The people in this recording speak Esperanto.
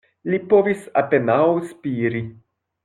Li povis apenaŭ spiri.